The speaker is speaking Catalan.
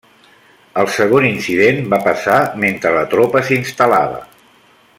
El segon incident va passar mentre la tropa s'instal·lava.